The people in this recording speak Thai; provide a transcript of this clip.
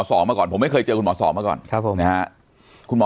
สวัสดีครับทุกผู้ชม